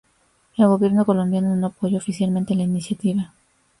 El gobierno colombiano no apoyó oficialmente la iniciativa.